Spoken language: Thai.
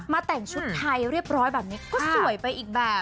แต่งชุดไทยเรียบร้อยแบบนี้ก็สวยไปอีกแบบ